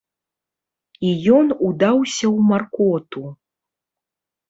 І ён удаўся ў маркоту.